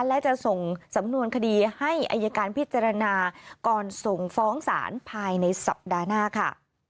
และจะส่งสำนวนคดีให้อายการพิจารณาก่อนส่งฟ้องศาลภายในสัปดาห์หน้าค่ะ